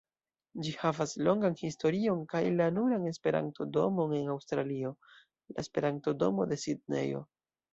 Ĝi havas longan historion kaj la nuran Esperanto-domon en Aŭstralio: la Esperanto-domo de Sidnejo.